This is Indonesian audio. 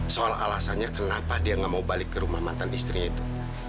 soal alasannya kenapa dia nggak mau balik ke rumah mantan istrinya itu